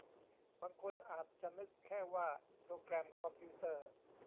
บางคนอาจจะนึกแค่ว่าโปรแกรมคอมพิวเตอร์